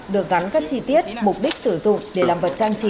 được gắn các chi tiết mục đích sử dụng để làm vật trang trí